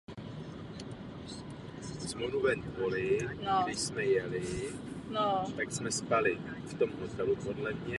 Pramení ve Smolenské vysočině.